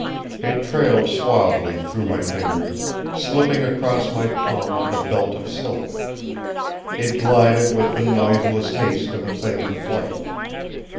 It trailed suavely through my fingers, slipping across my palm like a belt of silk. It glided with the noiseless haste of a thing in flight.